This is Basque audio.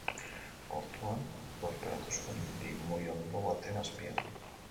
Ortuan lurperatu zuen, limoiondo baten azpian.